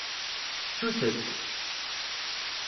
Ttut-t.